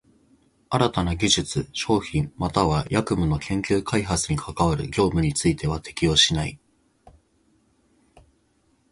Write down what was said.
新たな技術、商品又は役務の研究開発に係る業務については適用しない。